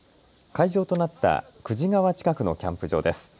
会場となった久慈川近くのキャンプ場です。